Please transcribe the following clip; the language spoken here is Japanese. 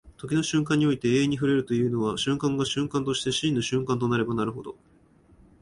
時の瞬間において永遠に触れるというのは、瞬間が瞬間として真の瞬間となればなるほど、